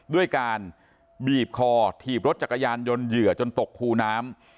ด้วยการบีบคอถีบรถจักรยานยนต์เหยื่อจนตกคูน้ำ